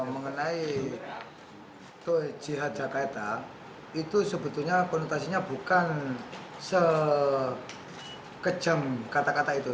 mengenai ke jihad jakarta itu sebetulnya konotasinya bukan sekejam kata kata itu